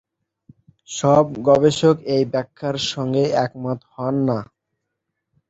সব গবেষক এই ব্যাখ্যার সঙ্গে একমত হন না।